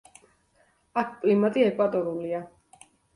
აქ კლიმატი ეკვატორულია.